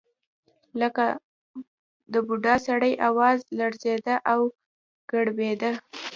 لکه د بوډا سړي اواز لړزېده او ګړبېده.